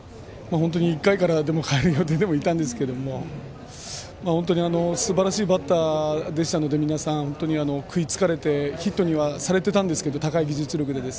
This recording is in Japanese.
１回からでも代える予定でいたんですけど本当にすばらしいバッターでしたので食いつかれてヒットにはされてたんですけど高い技術力で。